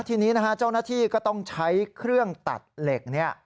ทีนี้นะฮะเจ้าหน้าที่ก็ต้องใช้เครื่องตัดเหล็กเนี่ย